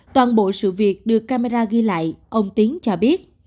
toàn bộ sự việc được camera ghi lại ông tiến cho biết